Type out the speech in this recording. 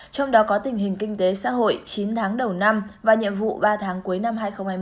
trong đó có tình hình kinh tế xã hội chín tháng đầu năm và nhiệm vụ ba tháng cuối năm hai nghìn hai mươi